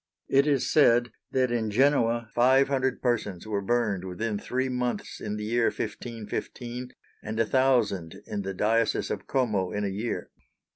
It is said that in Genoa five hundred persons were burned within three months in the year 1515, and a thousand in the diocese of Como in a year.